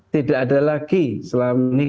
tidak ada lagi selang